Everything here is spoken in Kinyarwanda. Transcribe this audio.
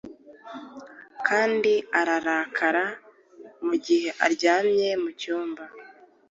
kandi ararakara Mugihe aryamye mucyumba